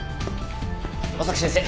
真崎先生